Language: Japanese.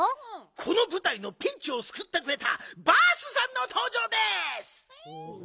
このぶたいのピンチをすくってくれたバースさんのとうじょうです！